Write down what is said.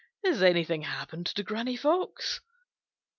Has anything happened to Granny Fox?"